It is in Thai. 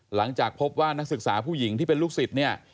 หลังจากพบว่านักศึกษาผู้หญิงที่เป็นลูกศิษย์เนี่ย